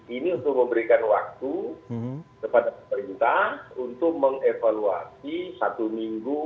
ini untuk memberikan waktu kepada pemerintah untuk mengevaluasi satu minggu